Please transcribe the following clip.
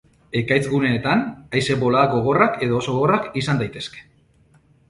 Ekaitz-guneetan, haize-boladak gogorrak edo oso gogorrak izan daitezke.